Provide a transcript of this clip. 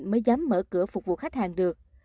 mới dám mở cửa phục vụ khách hàng được